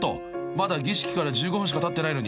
［まだ儀式から１５分しかたってないのに？］